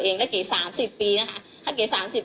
พี่ลองคิดดูสิที่พี่ไปลงกันที่ทุกคนพูด